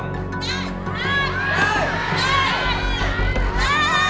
ได้ครับ